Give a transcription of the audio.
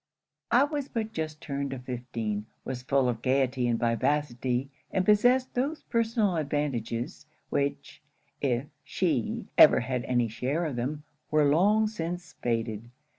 'I was but just turned of fifteen, was full of gaiety and vivacity, and possessed those personal advantages, which, if she ever had any share of them, were long since faded.